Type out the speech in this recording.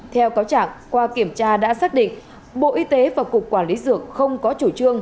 theo cáo trạng qua kiểm tra đã xác định bộ y tế và cục quản lý dược không có chủ trương